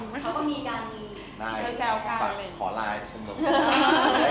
ถามถึงเรื่องมีเบบีหน่อยเราจะวางคลอมไปถึงตรงนั้นไหม